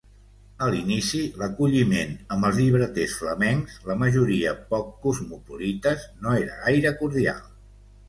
A l'inici, l'acolliment amb els llibreters flamencs, la majoria poc cosmopolites, no era gaire cordial.